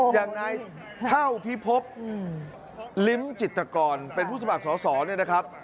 อย่างนายเท่าพิพบลิ้มจิตกรเป็นผู้สมัครสอสอเนี่ยนะครับ